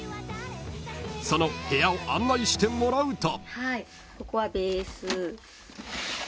［その部屋を案内してもらうと］